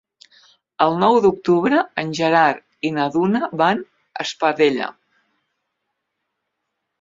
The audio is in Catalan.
El nou d'octubre en Gerard i na Duna van a Espadella.